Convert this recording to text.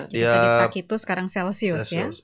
jadi tadi pagi itu sekarang celsius ya